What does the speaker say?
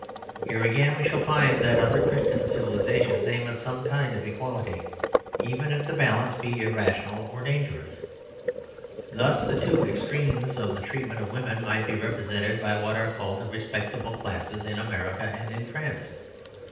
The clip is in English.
Here again we shall find that other Christian civilisations aim at some kind of equality; even if the balance be irrational or dangerous. Thus, the two extremes of the treatment of women might be represented by what are called the respectable classes in America and in France.